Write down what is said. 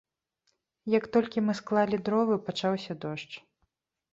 Як толькі мы склалі дровы, пачаўся дождж.